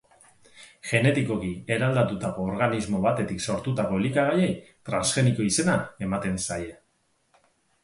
Genetikoki eraldatutako organismo batetik sortutako elikagaiei transgeniko izena ematen zaie.